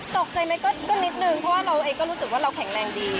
ตกใจไหมก็นิดนึงเพราะว่าเราเองก็รู้สึกว่าเราแข็งแรงดี